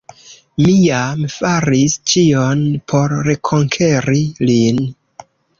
Mi jam faris ĉion por rekonkeri lin.